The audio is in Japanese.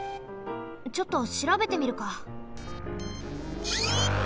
ちょっとしらべてみるか。